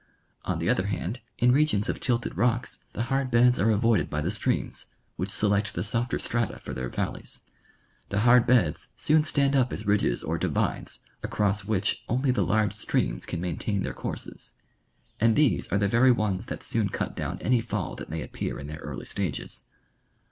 On the other hand, in regions of tilted rocks, the hard beds are avoided by the streams, which select the softer strata for their valleys. The hard beds soon stand up as ridges or divides, across which only the large streams can maintain their courses, and these are the very ones that soon cut down any fall that may appear in their early stages.